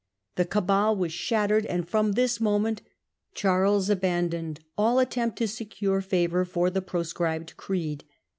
The Cabal was shattered, and from this moment Charles abandoned all attempt to secure favour for the proscribed creed.